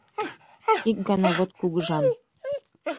Ик гана вот кугыжан